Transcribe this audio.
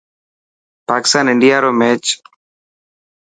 پاڪستان انڊيا رو ميچ